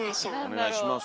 お願いします。